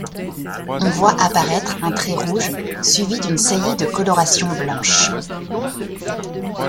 On voit apparaître un trait rouge suivi d'une saillie de coloration blanche.